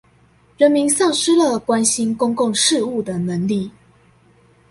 人民喪失了關心公共事務的能力